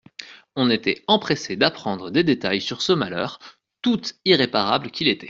On était empressé d'apprendre des détails sur ce malheur, tout irréparable qu'il était.